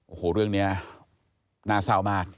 โอ้โหเรื่องนี้น่าเศร้ามาก